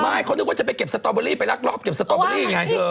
ไม่เขานึกว่าจะไปเก็บสตอเบอรี่ไปรักรอบเก็บสตอเบอรี่ไงเธอ